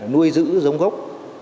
nuôi giữ giống gốc